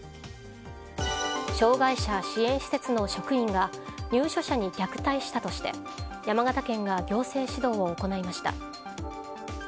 障害者支援施設の職員が入所者に虐待したとして山形県が行政指導を行いました。